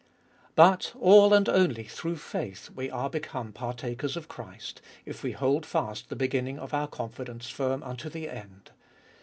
But, all and only through faith, we are become partakers of Christ, if we hold fast the beginning of our confidence firm unto the end.